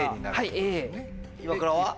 イワクラは？